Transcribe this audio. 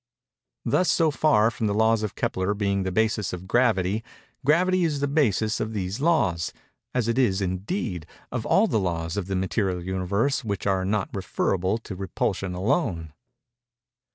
Thus so far from the laws of Kepler being the basis of Gravity, Gravity is the basis of these laws—as it is, indeed, of all the laws of the material Universe which are not referable to Repulsion alone.